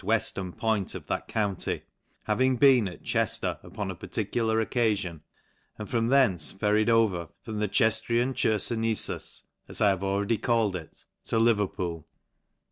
weftern point of that county, having been at Chejier upon a particular occafion, and from thence ferried over from the Ceftrian Chcrfonefus, as I have already called it, to Leverpool.